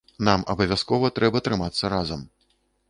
Нам абавязкова трэба трымацца разам.